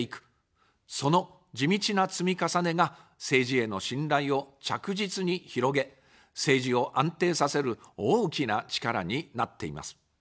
その地道な積み重ねが政治への信頼を着実に広げ、政治を安定させる大きな力になっています。